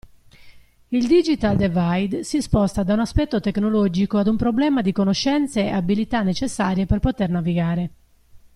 Il "Digital divide" si sposta da un aspetto tecnologico ad un problema di conoscenze e abilità necessarie per poter navigare.